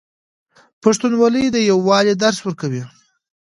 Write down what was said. پښتونولي د یووالي درس ورکوي.